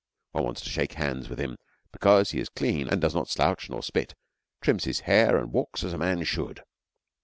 One wants to shake hands with him because he is clean and does not slouch nor spit, trims his hair, and walks as a man should.